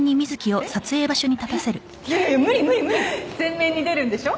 えっいやいや無理無理無理前面に出るんでしょ？